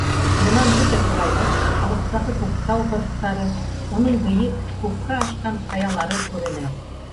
Бынан бөтә туғайлыҡ, алыҫтағы Күктау һырттары, уның бейек, күккә ашҡан ҡаялары күренә.